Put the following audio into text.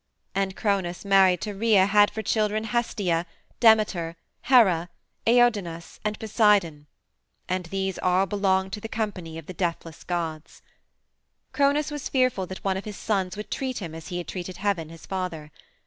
And Cronos married to Rhea had for children Hestia, Demeter, Hera, Aidoneus, and Poseidon, and these all belonged to the company of the deathless gods. Cronos was fearful that one of his sons would treat him as he had treated Heaven, his father.